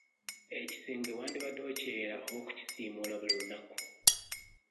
Ekisenge wandibadde okyera oba okukisiimuula buli lunaku.